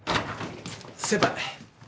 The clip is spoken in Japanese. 先輩！